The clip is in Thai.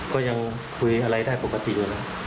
ก็ยังคุยอะไรได้ปกติอยู่นะ